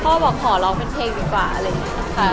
พ่อบอกขอร้องเป็นเพลงดีกว่าอะไรอย่างนี้ค่ะ